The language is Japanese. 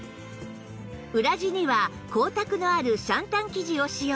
裏地には光沢のあるシャンタン生地を使用